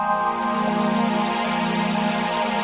jangan lupa like share dan subscribe ya